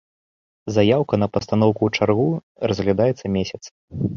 Заяўка на пастаноўку ў чаргу разглядаецца месяц.